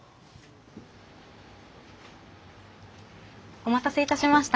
お待たせいたしました。